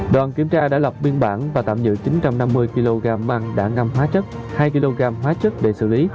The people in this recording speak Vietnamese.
đoàn kiểm tra đã lập biên bản và tạm giữ chín trăm năm mươi kg măng đã ngâm hóa chất hai kg hóa chất để xử lý